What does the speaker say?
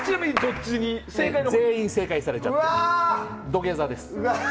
全員正解されちゃって土下座です。